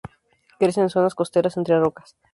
Crece en zonas costeras entre rocas.